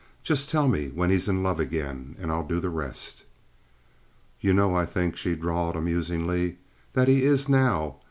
Just tell me when he's in love again, and I'll do the rest." "You know I think," she drawled, amusingly, "that he is now.